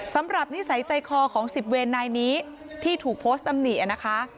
สำหรับนิสัยใจคอของ๑๐เวนนายนี้ที่ถูกโพสต์อำนีนะคะ